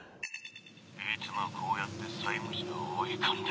いつもこうやって債務者を追い込んでる。